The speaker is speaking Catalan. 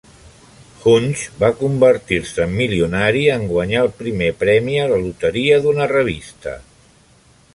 Hunch va convertir-se en milionari en guanyar el primer premi a la loteria d'una revista.